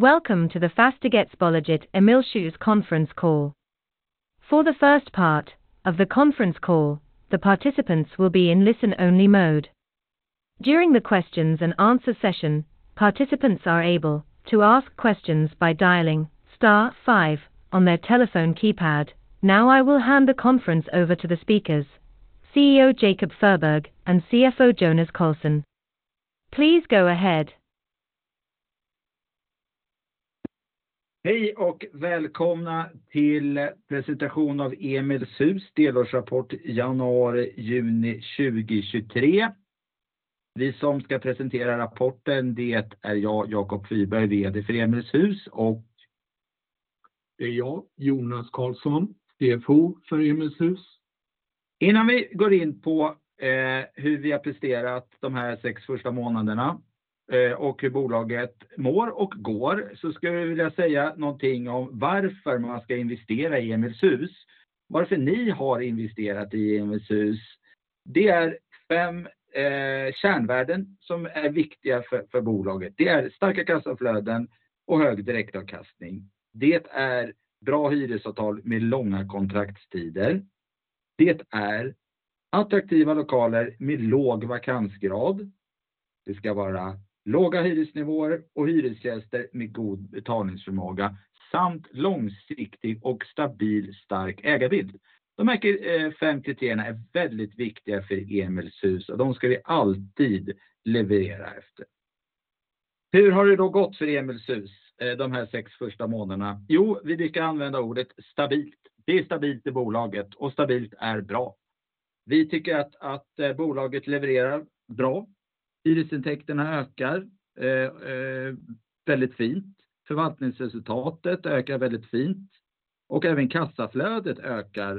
Welcome to the Fastighetsbolaget Emilshus conference call. For the first part of the conference call, the participants will be in listen-only mode. During the questions-and-answer session, participants are able to ask questions by dialing star five on their telephone keypad. Now I will hand the conference over to the speakers, CEO Jakob Fyrberg and CFO Jonas Karlsson. Please go ahead! Hej och välkomna till presentationen av Emilshus delårsrapport Januari, Juni 2023. Vi som ska presentera rapporten, det är jag, Jakob Fyrberg, VD för Emilshus och... Det är jag, Jonas Karlsson, CFO för Emilshus. Innan vi går in på hur vi har presterat de här 6 första månaderna och hur bolaget mår och går, så skulle jag vilja säga någonting om varför man ska investera i Emilshus. Varför ni har investerat i Emilshus? Det är 5 kärnvärden som är viktiga för bolaget. Det är starka kassaflöden och hög direktavkastning. Det är bra hyresavtal med långa kontraktstider. Det är attraktiva lokaler med låg vakansgrad. Det ska vara låga hyresnivåer och hyresgäster med god betalningsförmåga samt långsiktig och stabil, stark ägarbild. De här 5 kriterierna är väldigt viktiga för Emilshus och de ska vi alltid leverera efter. Hur har det då gått för Emilshus, de här 6 första månaderna? Jo, vi kan använda ordet stabilt. Det är stabilt i bolaget och stabilt är bra. Vi tycker att bolaget levererar bra. Hyresintäkterna ökar väldigt fint. Förvaltningsresultatet ökar väldigt fint och även kassaflödet ökar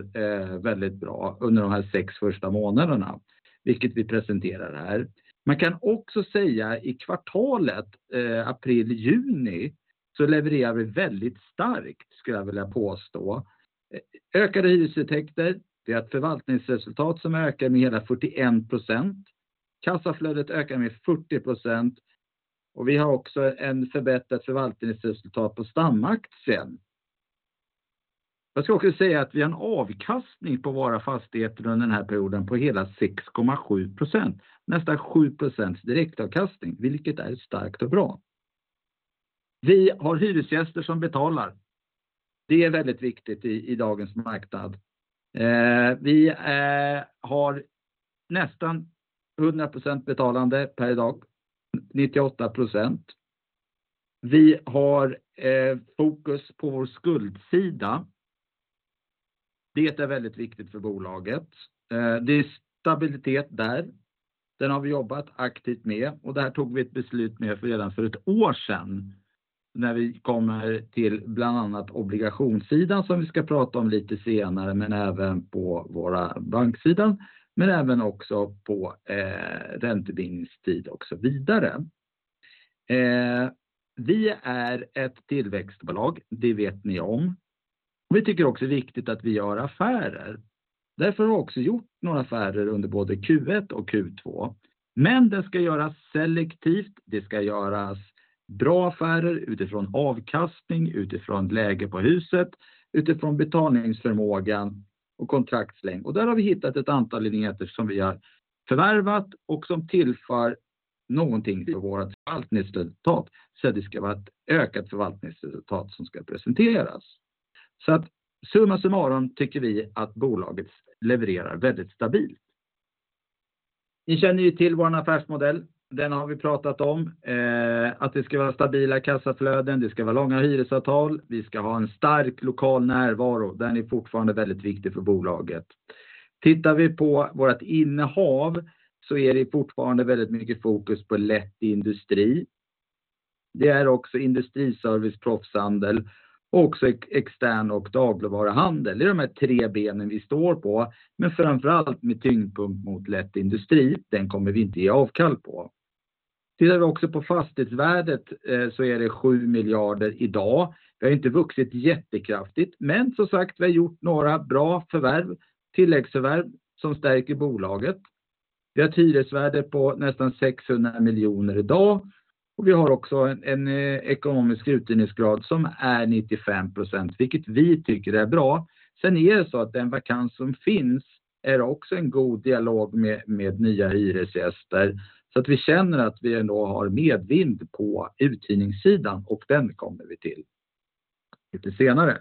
väldigt bra under de här 6 första månaderna, vilket vi presenterar här. Man kan också säga i kvartalet, April, Juni, så levererar vi väldigt starkt, skulle jag vilja påstå. Ökade hyresintäkter, det är ett förvaltningsresultat som ökar med hela 41%. Kassaflödet ökar med 40% och vi har också en förbättrat förvaltningsresultat på stamaktien. Jag ska också säga att vi har en avkastning på våra fastigheter under den här perioden på hela 6.7%, nästan 7% direktavkastning, vilket är starkt och bra. Vi har hyresgäster som betalar. Det är väldigt viktigt i dagens marknad. Vi har nästan 100% betalande per i dag, 98%. Vi har fokus på vår skuldsida. Det är väldigt viktigt för bolaget. Det är stabilitet där. Den har vi jobbat aktivt med. Där tog vi 1 beslut med redan för 1 år sedan, när vi kommer till bland annat obligationssidan, som vi ska prata om lite senare, men även på våra banksidan, men även också på räntebindningstid och så vidare. Vi är ett tillväxtbolag, det vet ni om. Vi tycker också det är viktigt att vi gör affärer. Därför har vi också gjort några affärer under både Q1 och Q2. Det ska göras selektivt, det ska göras bra affärer utifrån avkastning, utifrån läge på huset, utifrån betalningsförmågan och kontraktslängd. Där har vi hittat ett antal enheter som vi har förvärvat och som tillför någonting för vårt förvaltningsresultat. Det ska vara ett ökat förvaltningsresultat som ska presenteras. Summa summarum tycker vi att bolaget levererar väldigt stabilt. Ni känner ju till vår affärsmodell. Den har vi pratat om, att det ska vara stabila kassaflöden, det ska vara långa hyresavtal, vi ska ha en stark lokal närvaro. Den är fortfarande väldigt viktig för bolaget. Tittar vi på vårt innehav så är det fortfarande väldigt mycket fokus på lätt industri. Det är också industriservice, proffshandel och också extern- och dagligvaruhandel. Det är de här tre benen vi står på, men framför allt med tyngdpunkt mot lätt industri. Den kommer vi inte ge avkall på. Tittar vi också på fastighetsvärdet, så är det 7 billion i dag. Det har inte vuxit jättekraftigt, men som sagt, vi har gjort några bra förvärv, tilläggsförvärv, som stärker bolaget. Vi har ett hyresvärde på nästan 600 million i dag och vi har också en ekonomisk uthyrningsgrad som är 95%, vilket vi tycker är bra. Det är så att den vakans som finns är också en god dialog med nya hyresgäster. Vi känner att vi ändå har medvind på uthyrningssidan och den kommer vi till lite senare.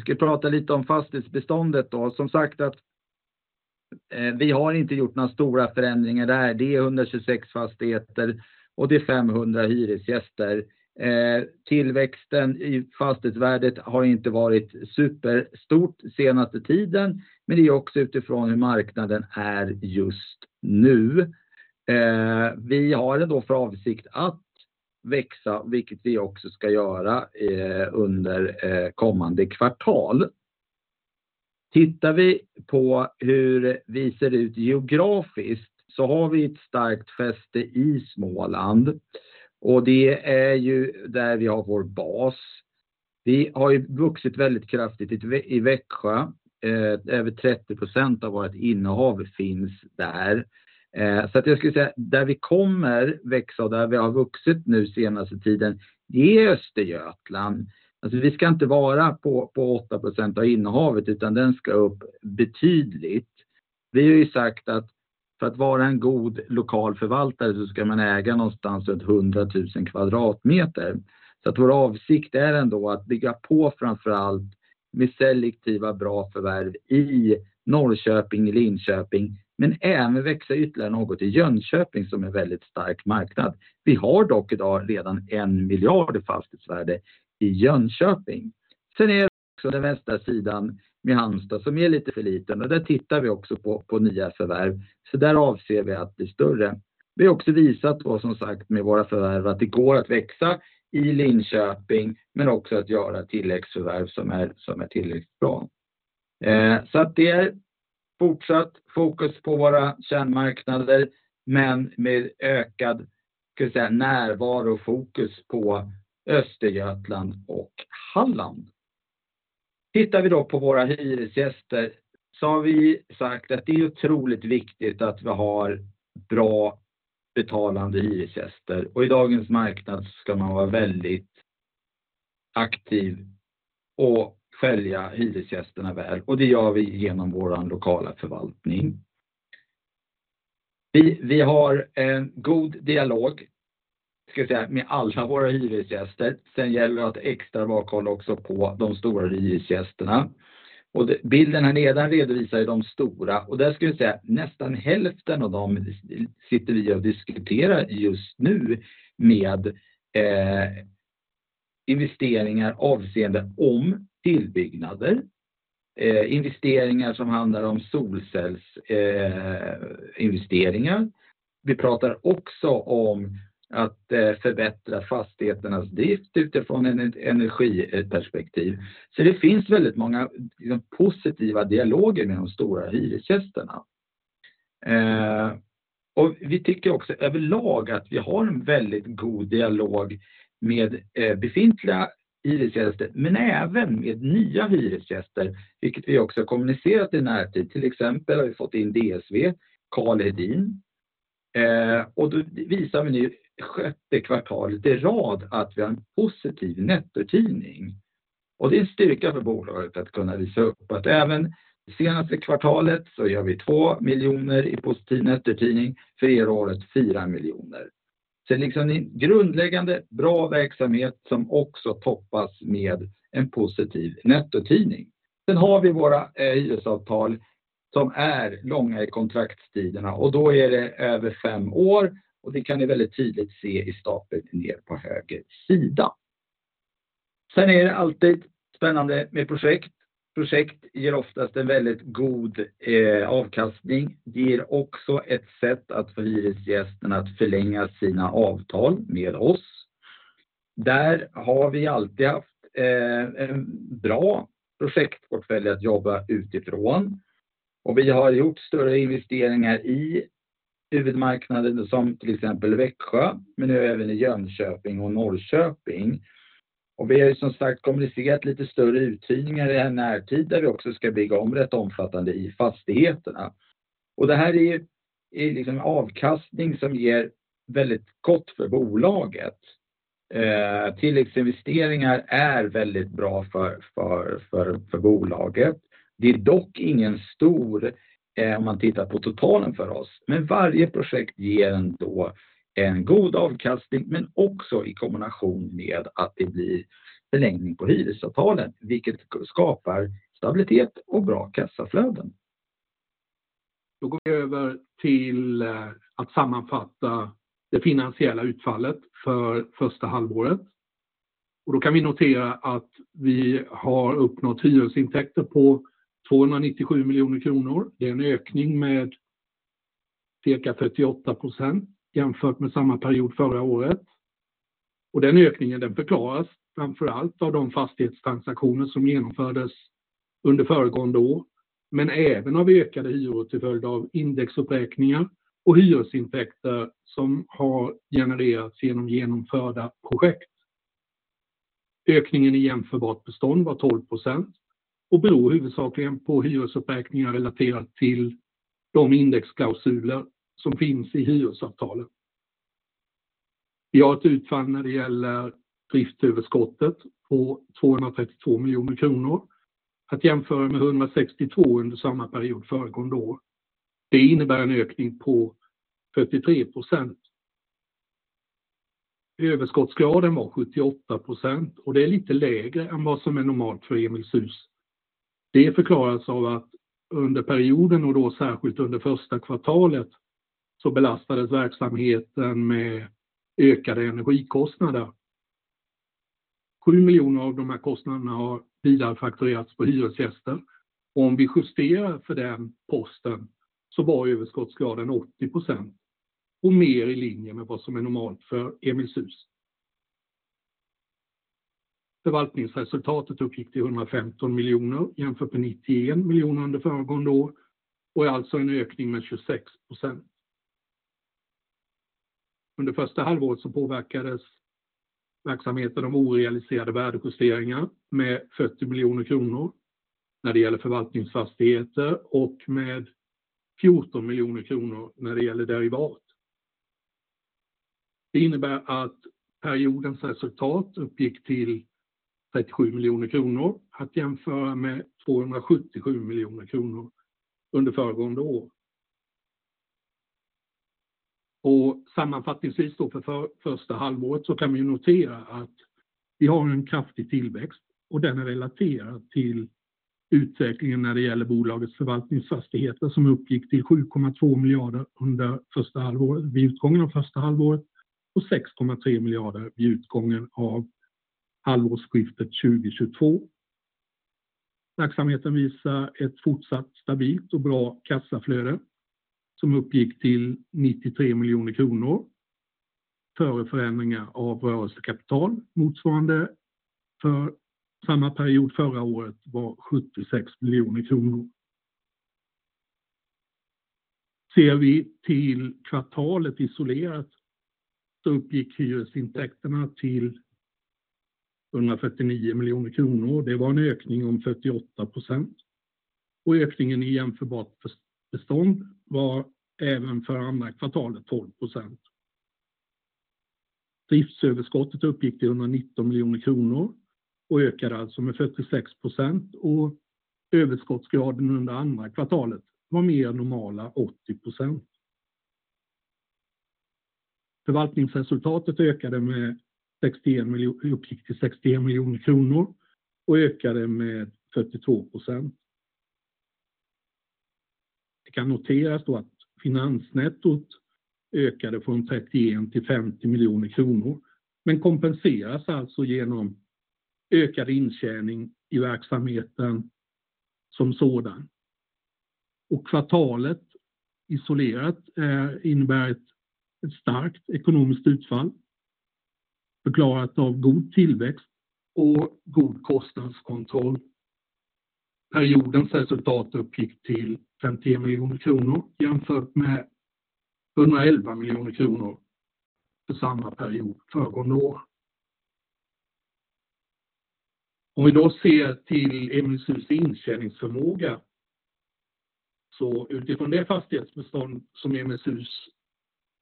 Ska vi prata lite om fastighetsbeståndet då. Som sagt, vi har inte gjort några stora förändringar där. Det är 126 fastigheter och det är 500 hyresgäster. Tillväxten i fastighetsvärdet har inte varit superstor senaste tiden, men det är också utifrån hur marknaden är just nu. Vi har ändå för avsikt att växa, vilket vi också ska göra under kommande kvartal. Tittar vi på hur vi ser ut geografiskt har vi ett starkt fäste i Småland och det är ju där vi har vår bas. Vi har ju vuxit väldigt kraftigt i Växjö. Över 30% av vårt innehav finns där. Jag skulle säga, där vi kommer växa och där vi har vuxit nu senaste tiden, det är Östergötland. Vi ska inte vara på 8% av innehavet, utan den ska upp betydligt. Vi har sagt att för att vara en god lokal förvaltare så ska man äga någonstans runt 100,000 kvadratmeter. Vår avsikt är ändå att bygga på framför allt med selektiva bra förvärv i Norrköping, Linköping, men även växa ytterligare något i Jönköping, som är väldigt stark marknad. Vi har dock i dag redan 1 billion i fastighetsvärde i Jönköping. Det är också den västra sidan med Halmstad, som är lite för liten, och där tittar vi också på nya förvärv. Där avser vi att bli större. Vi har också visat vad, som sagt, med våra förvärv, att det går att växa i Linköping, men också att göra tilläggsförvärv som är tilläggsbra. Det är fortsatt fokus på våra kärnmarknader, men med ökad, ska vi säga, närvaro och fokus på Östergötland och Halland. Tittar vi då på våra hyresgäster, har vi sagt att det är otroligt viktigt att vi har bra betalande hyresgäster och i dagens marknad så ska man vara väldigt aktiv och skälja hyresgästerna väl och det gör vi igenom vår lokala förvaltning. Vi har en god dialog, ska vi säga, med alla våra hyresgäster. Gäller det att extra vakthålla också på de stora hyresgästerna. Bilden här nedan redovisar de stora och där ska vi säga att nästan hälften av dem sitter vi och diskuterar just nu med investeringar avseende om tillbyggnader, investeringar som handlar om solcellsinvesteringar. Vi pratar också om att förbättra fastigheternas drift utifrån ett energiperspektiv. Det finns väldigt många, liksom positiva dialoger med de stora hyresgästerna. Vi tycker också överlag att vi har en väldigt god dialog med befintliga hyresgäster, men även med nya hyresgäster, vilket vi också har kommunicerat i närtid. Till exempel har vi fått in DSV, Karl Hedin, och då visar vi nu sixth quarter i rad att vi har en positiv nettouthyrning. Det är en styrka för bolaget att kunna visa upp att även det senaste kvartalet så gör vi 2 million i positiv nettouthyrning, för i år är det 4 million. liksom en grundläggande bra verksamhet som också toppas med en positiv nettoutdelning. har vi våra hyresavtal som är långa i kontraktstiderna och då är det över five years och det kan ni väldigt tydligt se i stapeln ner på höger sida. är det alltid spännande med projekt. Projekt ger oftast en väldigt god avkastning. Ger också ett sätt att få hyresgästen att förlänga sina avtal med oss. Där har vi alltid haft en bra projektportfölj att jobba utifrån och vi har gjort större investeringar i huvudmarknaden, som till exempel Växjö, men nu även i Jönköping och Norrköping. vi har ju som sagt kommunicerat lite större uthyrningar i närtid, där vi också ska bygga om rätt omfattande i fastigheterna. det här är liksom avkastning som ger väldigt gott för bolaget. Tilläggsinvesteringar är väldigt bra för bolaget. Det är dock ingen stor, om man tittar på totalen för oss, men varje projekt ger ändå en god avkastning, men också i kombination med att det blir förlängning på hyresavtalen, vilket skapar stabilitet och bra kassaflöden. Då går vi över till att sammanfatta det finansiella utfallet för första halvåret. Då kan vi notera att vi har uppnått hyresintäkter på 297 million kronor. Det är en ökning med cirka 38% jämfört med samma period förra året. Den ökningen, den förklaras framför allt av de fastighetstransaktioner som genomfördes under föregående år, men även av ökade hyror till följd av indexuppräkningar och hyresintäkter som har genererats igenom genomförda projekt. Ökningen i jämförbart bestånd var 12% och beror huvudsakligen på hyresuppräkningar relaterat till de indexklausuler som finns i hyresavtalen. Vi har ett utfall när det gäller driftsöverskottet på 232 million kronor. Jämföra med 162 million under samma period föregående år. Det innebär en ökning på 43%. Överskottsgraden var 78% och det är lite lägre än vad som är normalt för Emilshus. Det förklaras av att under perioden, och då särskilt under första kvartalet, belastades verksamheten med ökade energikostnader. 7 million av de här kostnaderna har vidarefakturerats på hyresgästen. Om vi justerar för den posten var överskottsgraden 80% och mer i linje med vad som är normalt för Emilshus. förvaltningsresultat uppgick till 115 million, jämfört med 91 million under föregående år och är alltså en ökning med 26%. Under första halvåret påverkades verksamheten av orealiserade värdejusteringar med 40 million kronor när det gäller förvaltningsfastigheter och med 14 million kronor när det gäller derivat. Det innebär att periodens resultat uppgick till 37 million kronor, att jämföra med 277 million kronor under föregående år. Sammanfattningsvis då för första halvåret kan vi notera att vi har en kraftig tillväxt och den är relaterad till utvecklingen när det gäller bolagets förvaltningsfastigheter, som uppgick till 7.2 billion under första halvåret, vid utgången av första halvåret, och 6.3 billion vid utgången av halvårsskiftet 2022. Verksamheten visar ett fortsatt stabilt och bra kassaflöde som uppgick till 93 million kronor före förändringar av rörelsekapital. Motsvarande för samma period förra året var 76 million kronor. Ser vi till kvartalet isolerat uppgick hyresintäkterna till 149 million kronor. Det var en ökning om 48% och ökningen i jämförbart bestånd var även för andra kvartalet 12%. Driftsöverskottet uppgick till 119 million kronor och ökade alltså med 46% och överskottsgraden under andra kvartalet var mer normala 80%. Förvaltningsresultatet uppgick till 61 million kronor och ökade med 42%. Det kan noteras då att finansnettot ökade från 31 till 50 million kronor, men kompenseras alltså genom ökad intjäning i verksamheten som sådan. Kvartalet isolerat innebär ett starkt ekonomiskt utfall, förklarat av god tillväxt och god kostnadskontroll. Periodens resultat uppgick till 50 million kronor, jämfört med 111 million kronor för samma period föregående år. Om vi då ser till Emilshus intjäningsförmåga, så utifrån det fastighetsbestånd som Emilshus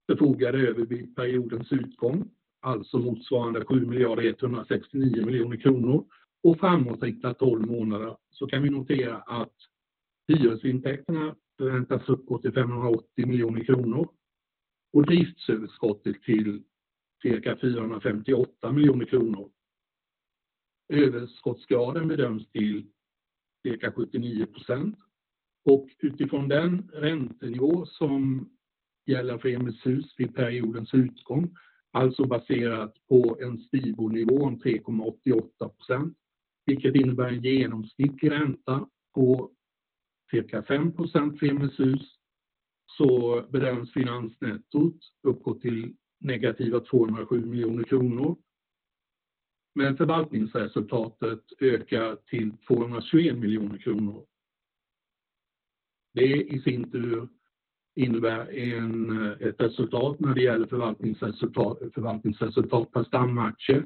förfogade över vid periodens utgång, alltså motsvarande SEK 7.169 billion och framåtriktat 12 months, så kan vi notera att hyresintäkterna förväntas uppgå till SEK 580 million och driftsöverskottet till cirka 458 million kronor. Överskottsgraden bedöms till cirka 79%. Utifrån den räntenivå som gäller för Emilshus vid periodens utgång, alltså baserat på en Stibornivå om 3.88%, vilket innebär en genomsnittlig ränta på cirka 5% för Emilshus, bedöms finansnettot uppgå till negativa 207 million kronor. Förvaltningsresultatet ökar till 221 million kronor. Det i sin tur innebär ett resultat när det gäller Förvaltningsresultat per stamaktie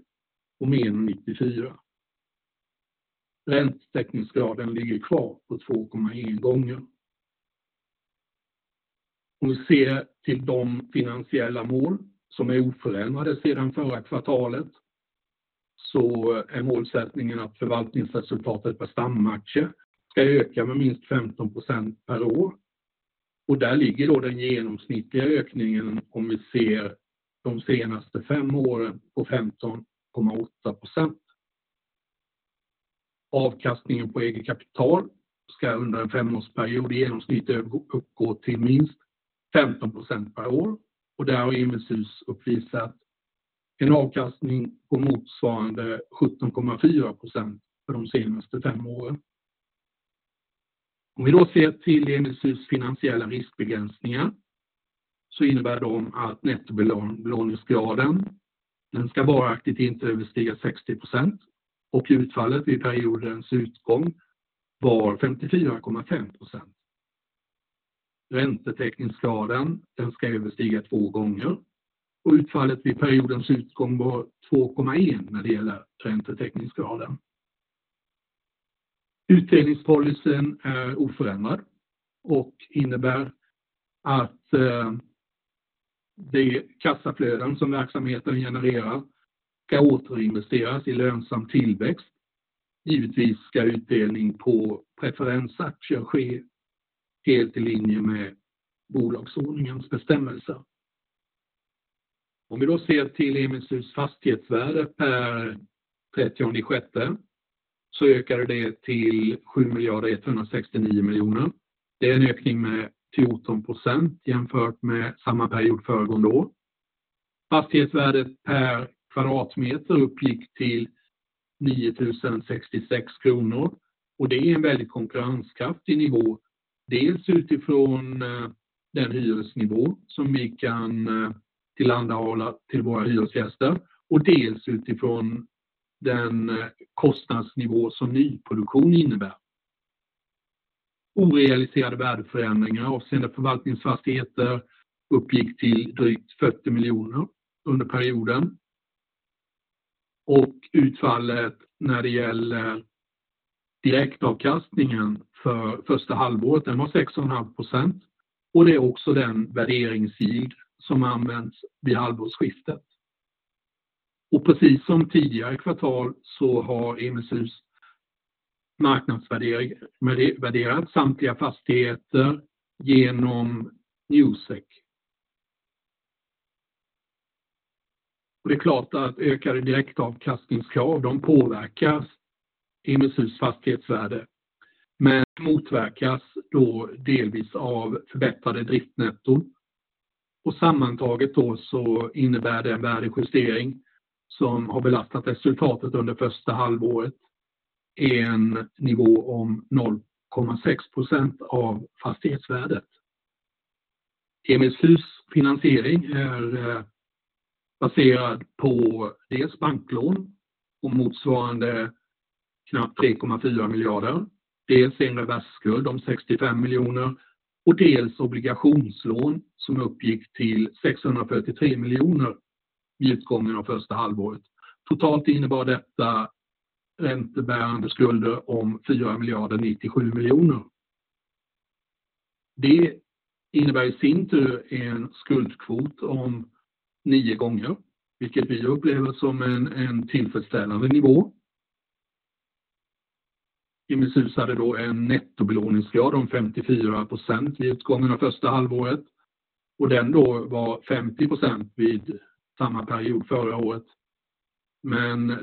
om 1.94. Räntetäckningsgraden ligger kvar på 2.1x. Vi ser till de finansiella mål som är oförändrade sedan förra kvartalet, målsättningen att Förvaltningsresultatet per stamaktie ska öka med minst 15% per år. Där ligger då den genomsnittliga ökningen, om vi ser de senaste 5 åren, på 15.8%. Avkastningen på eget kapital ska under en 5-årsperiod i genomsnitt uppgå till minst 15% per år, där har Emilshus uppvisat en avkastning på motsvarande 17.4% för de senaste 5 åren. Vi ser till Emilshus finansiella riskbegränsningar, de innebär att nettobelåningsgraden, den ska varaktigt inte överstiga 60% och utfallet vid periodens utgång var 54.5%. Räntetäckningsgraden, den ska överstiga 2 gånger och utfallet vid periodens utgång var 2.1 när det gäller räntetäckningsgraden. Utdelningspolicyn är oförändrad, innebär att det kassaflöden som verksamheten genererar ska återinvesteras i lönsam tillväxt. Givetvis ska utdelning på preferensaktier ske helt i linje med bolagsordningens bestämmelser. Vi ser till Emilshus fastighetsvärde per 30th of June, det ökade till 7.169 billion. Det är en ökning med 14% jämfört med samma period föregående år. Fastighetsvärdet per kvadratmeter uppgick till 9,066 kronor och det är en väldigt konkurrenskraftig nivå. Dels utifrån den hyresnivå som vi kan tillhandahålla till våra hyresgäster och dels utifrån den kostnadsnivå som nyproduktion innebär. Orealiserade värdeförändringar avseende förvaltningsfastigheter uppgick till drygt 40 million under perioden. Utfallet när det gäller direktavkastningen för first half, den var 6.5% och det är också den värderingssida som används vid half-year end. Precis som tidigare kvartal så har Emilshus marknadsvärdering, värderat samtliga fastigheter genom Newsec. Det är klart att ökade direktavkastningskrav, de påverkas Emilshus fastighetsvärde, men motverkas då delvis av förbättrade driftnetton. Sammantaget då så innebär det en värdejustering som har belastat resultatet under first half i en nivå om 0.6% av fastighetsvärdet. Emilshus finansiering är baserad på dels banklån och motsvarande knappt 3.4 billion, dels en reversskuld om 65 million och dels obligationslån som uppgick till 643 million vid utgången av first half. Totalt innebar detta räntebärande skulder om 4,097 million. Det innebär i sin tur en skuldkvot om 9 times, vilket vi upplever som en tillfredsställande nivå. Emilshus hade då en nettobelåningsgrad om 54% vid utgången av första halvåret och den då var 50% vid samma period förra året.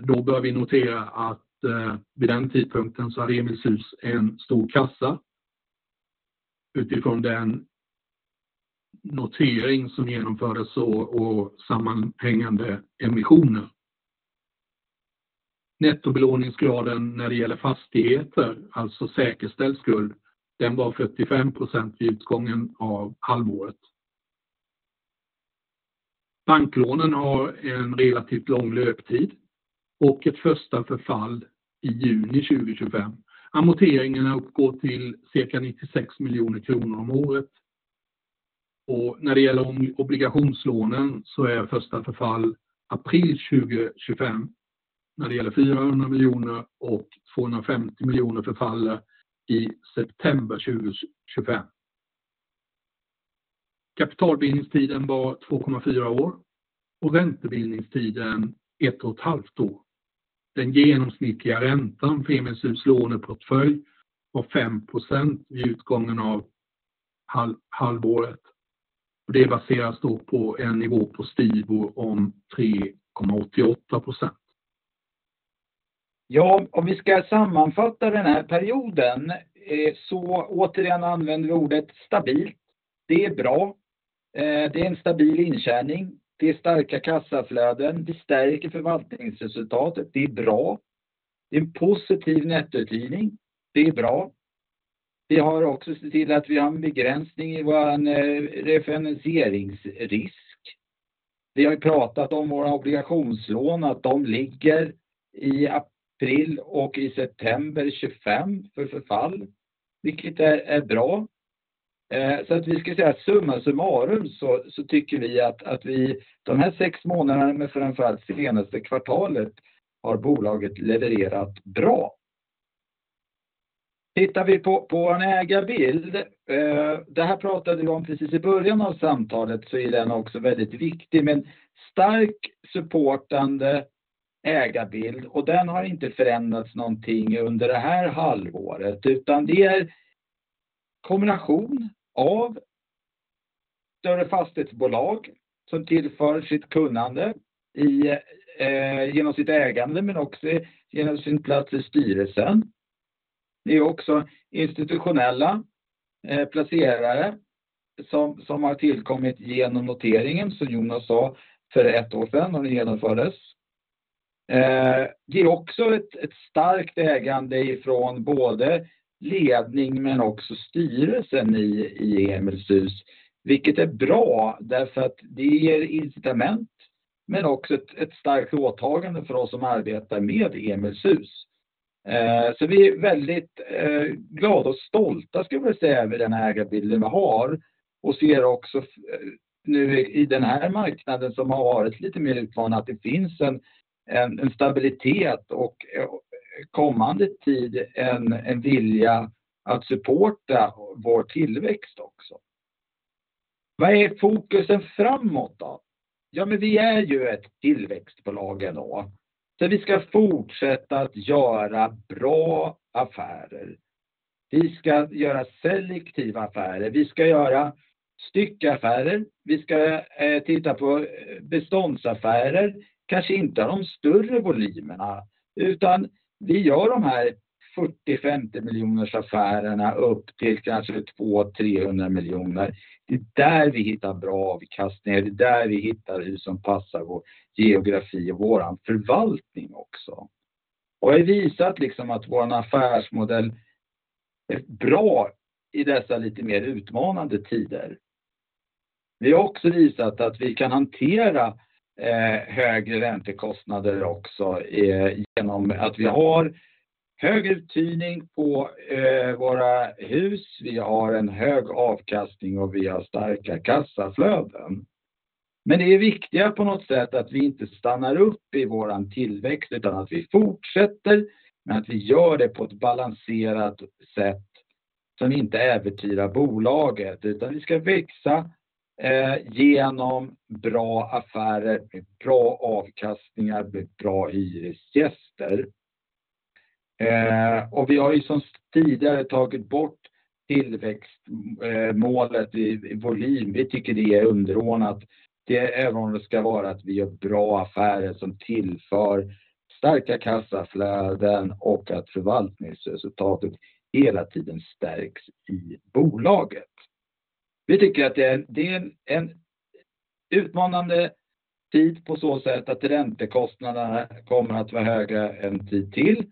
Då bör vi notera att vid den tidpunkten så hade Emilshus en stor kassa utifrån den notering som genomfördes och sammanhängande emissioner. Nettobelåningsgraden när det gäller fastigheter, alltså säkerställd skuld, den var 45% vid utgången av halvåret. Banklånen har en relativt lång löptid och ett första förfall i June 2025. Amorteringarna uppgår till cirka 96 million kronor om året. När det gäller obligationslånen så är första förfall April 2025. När det gäller 400 million och 250 million förfaller i September 2025. Kapitalbindningstiden var 2.4 years och räntebindningstid 1.5 years. Den genomsnittliga räntan för Emilshus låneportfölj var 5% vid utgången av halvåret. Det baseras då på en nivå på STIBOR om 3.88%. Om vi ska sammanfatta den här perioden, återigen använder vi ordet stabilt. Det är bra. Det är en stabil intjäning, det är starka kassaflöden, det stärker förvaltningsresultatet. Det är bra. Det är en positiv nettoutdelning, det är bra. Vi har också sett till att vi har en begränsning i vår refinansieringsrisk. Vi har pratat om våra obligationslån, att de ligger i April och i September 2025 för förfall, vilket är bra. Vi skulle säga att summa summarum så tycker vi att vi de här sex månaderna, men framför allt det senaste kvartalet, har bolaget levererat bra. Tittar vi på vår ägarbild, det här pratade vi om precis i början av samtalet, är den också väldigt viktig med en stark supportande ägarbild. Den har inte förändrats någonting under det här halvåret, utan det är kombination av större fastighetsbolag som tillför sitt kunnande i genom sitt ägande, men också igenom sin plats i styrelsen. Det är också institutionella placerare som har tillkommit igenom noteringen, som Jonas sa, för 1 år sedan när den genomfördes. Det är också ett starkt ägande ifrån både ledning men också styrelsen i Emilshus, vilket är bra därför att det ger incitament, men också ett starkt åtagande för oss som arbetar med Emilshus. Vi är väldigt glada och stolta skulle jag vilja säga, över den ägarbilden vi har och ser också nu i den här marknaden som har varit lite mer utmanad, att det finns en stabilitet och kommande tid, en vilja att supporta vår tillväxt också. Vad är fokusen framåt då? Vi är ju ett tillväxtbolag ändå. Vi ska fortsätta att göra bra affärer. Vi ska göra selektiva affärer, vi ska göra styckaffärer, vi ska titta på beståndsaffärer, kanske inte de större volymerna, utan vi gör de här 40 million-50 million-affärerna upp till kanske 200 million-300 million. Det är där vi hittar bra avkastning, det är där vi hittar hur som passar vår geografi och vår förvaltning också. Vi har visat liksom att vår affärsmodell är bra i dessa lite mer utmanande tider. Vi har också visat att vi kan hantera högre räntekostnader också igenom att vi har hög uthyrning på våra hus. Vi har en hög avkastning och vi har starka kassaflöden. Det är viktiga på något sätt att vi inte stannar upp i vår tillväxt, utan att vi fortsätter, men att vi gör det på ett balanserat sätt som inte övertyrar bolaget, utan vi ska växa igenom bra affärer med bra avkastningar, med bra hyresgäster. Vi har ju som tidigare tagit bort tillväxtmålet i volym. Vi tycker det är underordnat. Det är även om det ska vara att vi gör bra affärer som tillför starka kassaflöden och att förvaltningsresultatet hela tiden stärks i bolaget. Vi tycker att det är en utmanande tid på så sätt att räntekostnaderna kommer att vara högre en tid till.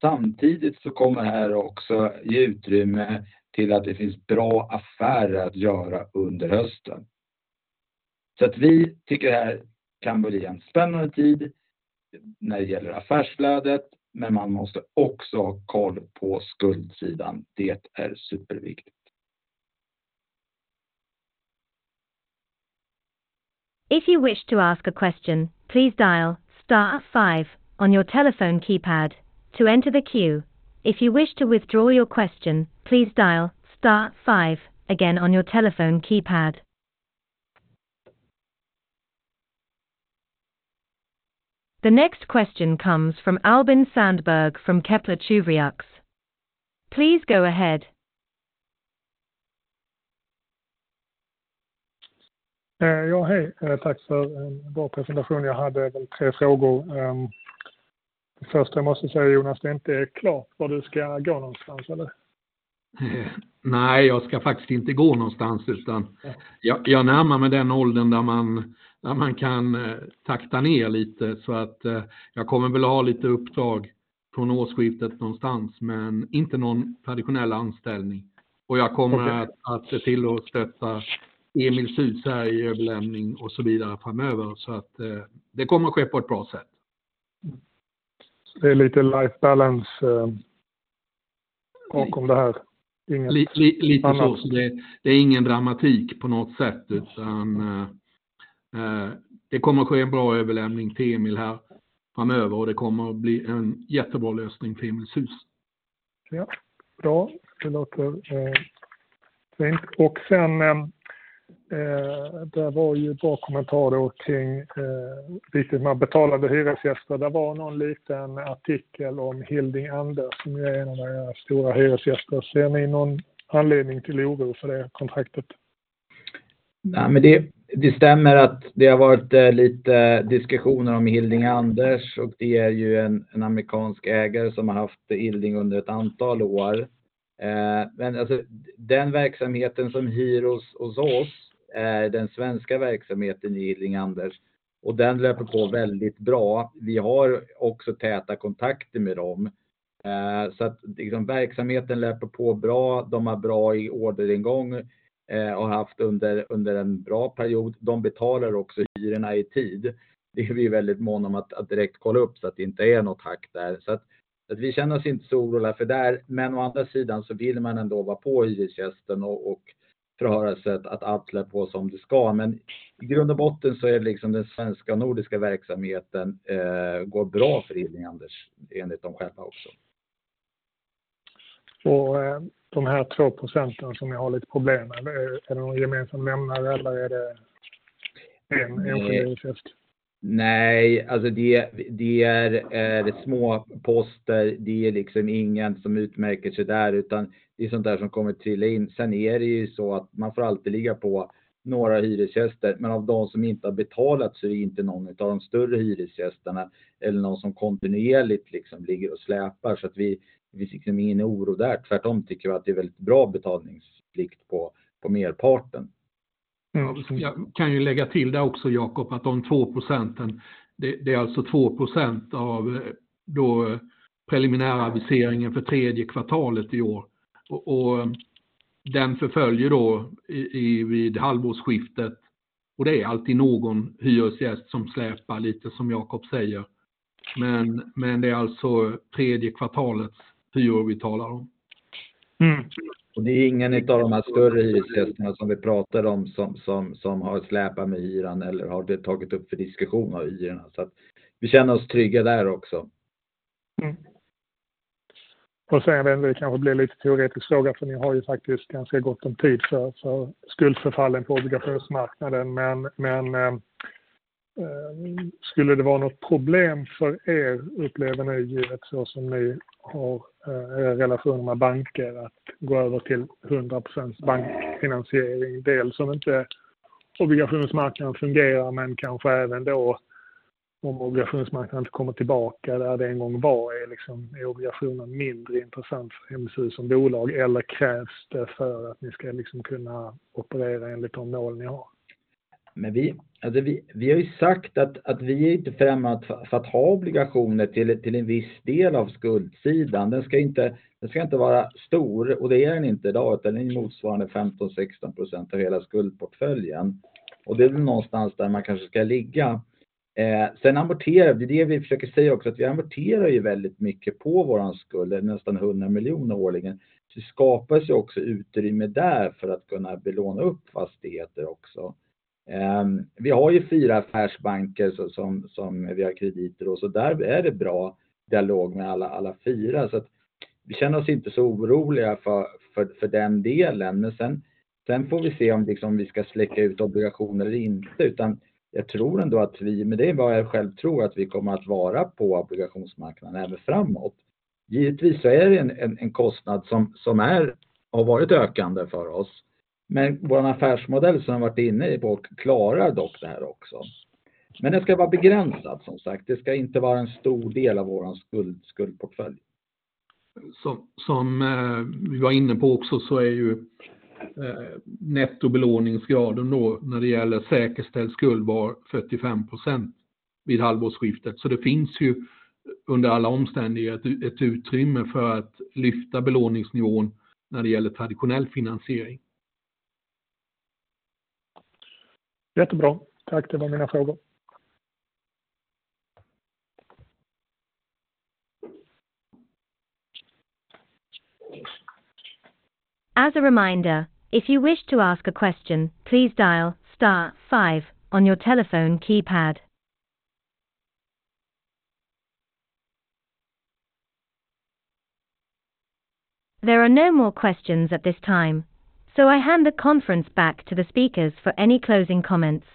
Samtidigt så kommer det här också ge utrymme till att det finns bra affärer att göra under hösten. Vi tycker det här kan bli en spännande tid när det gäller affärsflödet, men man måste också ha koll på skuldsidan. Det är superviktigt. If you wish to ask a question, please dial star five on your telephone keypad to enter the queue. If you wish to withdraw your question, please dial star five again on your telephone keypad. The next question comes from Albin Sandberg from Kepler Cheuvreux. Please go ahead. Hej! Tack för en bra presentation. Jag hade väl tre frågor. Först jag måste säga, Jonas, det inte är klart vad du ska gå någonstans, eller? Nej, jag ska faktiskt inte gå någonstans, utan jag närmar mig den åldern där man, där man kan takta ner lite. Jag kommer väl att ha lite uppdrag från årsskiftet någonstans, men inte någon traditionell anställning. Jag kommer att se till att stötta Emilshus här i överlämning och så vidare framöver. Det kommer att ske på ett bra sätt. Det är lite life balance bakom det här. Lite så. Det är ingen dramatik på något sätt, utan det kommer att ske en bra överlämning till Emil här framöver och det kommer att bli en jättebra lösning för Emilshus. Bra, det låter fint. Sedan, det var ju en bra kommentar då kring vikten med betalande hyresgäster. Det var någon liten artikel om Hilding Anders, som är en av era stora hyresgäster. Ser ni någon anledning till oro för det kontraktet? Det stämmer att det har varit lite diskussioner om Hilding Anders och det är ju en amerikansk ägare som har haft Hilding under ett antal år. Den verksamheten som hyr hos oss, är den svenska verksamheten i Hilding Anders och den löper på väldigt bra. Vi har också täta kontakter med dem. Verksamheten löper på bra, de har bra i orderingång och haft under en bra period. De betalar också hyrorna i tid. Det är vi väldigt måna om att direkt kolla upp så att det inte är något hack där. Vi känner oss inte så oroliga för det där, men å andra sidan så vill man ändå vara på hyresgästen och förhöra sig att allt löper på som det ska. I grund och botten är det liksom den svenska nordiska verksamheten, går bra för Hilding Anders, enligt de själva också. De här 2% som ni har lite problem med, är det någon gemensam nämnare eller är det en enskild hyresgäst? Nej, alltså, det är små poster. Det är liksom ingen som utmärker sig där, utan det är sådant där som kommer trilla in. Det är ju så att man får alltid ligga på några hyresgäster, men av de som inte har betalat så är det inte någon av de större hyresgästerna eller någon som kontinuerligt liksom ligger och släpar. Vi, vi är inte inne i oro där. Tvärtom tycker vi att det är väldigt bra betalningsplikt på merparten. Jag kan ju lägga till det också, Jakob, att de 2%, det är alltså 2% av då preliminäraviseringen för tredje kvartalet i år. Den förföljer då vid halvårsskiftet och det är alltid någon hyresgäst som släpar lite som Jakob säger. Det är alltså tredje kvartalets hyror vi talar om. Det är ingen av de här större hyresgästerna som vi pratar om, som har släpat med hyran eller har det tagit upp för diskussion av hyrorna. Vi känner oss trygga där också. Det kanske blir lite teoretisk fråga, för ni har ju faktiskt ganska gott om tid för skuldförfallen på obligationsmarknaden. Skulle det vara något problem för er, upplever ni, givet så som ni har relationer med banker, att gå över till 100% bankfinansiering? Dels om inte obligationsmarknaden fungerar, men kanske även då, om obligationsmarknaden inte kommer tillbaka där det en gång var. Är obligationen mindre intressant för Emilshus som bolag eller krävs det för att ni ska kunna operera enligt de mål ni har? Vi har ju sagt att vi är inte främmande för att ha obligationer till en viss del av skuldsidan. Den ska inte vara stor och det är den inte i dag, utan den är motsvarande 15%-16% av hela skuldportföljen. Det är någonstans där man kanske ska ligga. Amorterar, det är det vi försöker säga också, att vi amorterar ju väldigt mycket på vår skuld, nästan 100 million årligen. Det skapar ju också utrymme där för att kunna belåna upp fastigheter också. Vi har ju four affärsbanker som vi har krediter och så. Där är det bra dialog med alla four. Vi känner oss inte så oroliga för den delen. Sen får vi se om vi ska släcka ut obligationer eller inte, utan jag tror ändå att vi, men det är bara en självt tro, att vi kommer att vara på obligationsmarknaden även framåt. Givetvis är det en kostnad som har varit ökande för oss, men vår affärsmodell som varit inne i klarar dock det här också. Den ska vara begränsad, som sagt. Det ska inte vara en stor del av vår skuldportfölj. Som vi var inne på också så är ju nettobelåningsgraden då, när det gäller säkerställd skuld, var 45% vid halvårsskiftet. Det finns ju under alla omständigheter ett utrymme för att lyfta belåningsnivån när det gäller traditionell finansiering. Jättebra. Tack, det var mina frågor. As a reminder, if you wish to ask a question, please dial star five on your telephone keypad. There are no more questions at this time, so I hand the conference back to the speakers for any closing comments.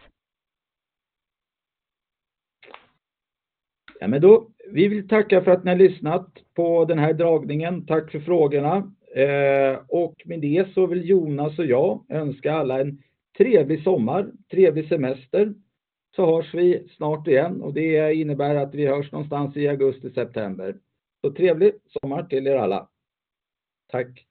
Ja, men då. Vi vill tacka för att ni har lyssnat på den här dragningen. Tack för frågorna. Med det så vill Jonas och jag önska alla en trevlig sommar, trevlig semester. Hörs vi snart igen och det innebär att vi hörs någonstans i Augusti, September. Trevlig sommar till er alla. Tack!